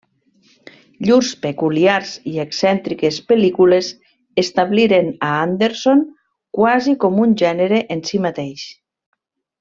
Llurs peculiars i excèntriques pel·lícules establiren a Anderson quasi com un gènere en si mateix.